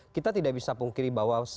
kita tidak bisa pungkiri bahwa